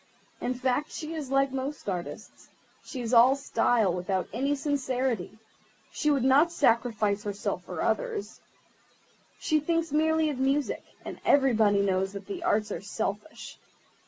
In fact, she is like most artists; she is all style, without any sincerity. She would not sacrifice herself for others. She thinks merely of music, and everybody knows that the arts are selfish.